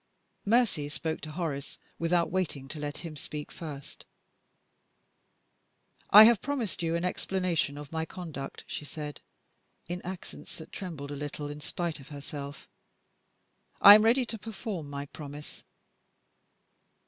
Mercy spoke to Horace, without waiting to let him speak first. "I have promised you an explanation of my conduct," she said, in accents that trembled a little in spite of herself. "I am ready to perform my promise."